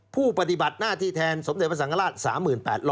ปฏิบัติหน้าที่แทนสมเด็จพระสังฆราช๓๘๐๐